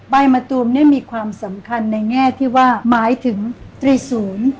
มะตูมเนี่ยมีความสำคัญในแง่ที่ว่าหมายถึงตรีศูนย์